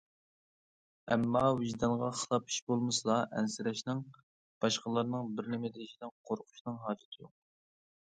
ئەمما ۋىجدانغا خىلاپ ئىش بولمىسىلا ئەنسىرەشنىڭ، باشقىلارنىڭ بىرنېمە دېيىشىدىن قورقۇشنىڭ ھاجىتى يوق.